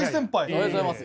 おはようございます！